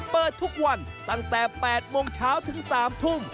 เปิดทุกวันตั้งแต่๘โมงเช้าถึง๓ทุ่ม